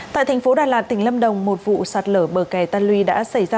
tại thành phố đà lạt tỉnh lâm đồng một vụ sạt lở bờ kè tan luy đã xảy ra